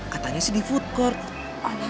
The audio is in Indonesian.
katanya sih di food court